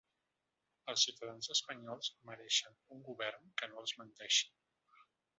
Els ciutadans espanyols mereixen un govern que no els menteixi.